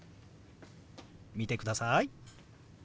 見てください。